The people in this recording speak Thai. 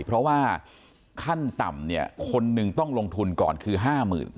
เพราะว่าขั้นต่ำเนี่ยคนหนึ่งต้องลงทุนก่อนคือ๕๐๐๐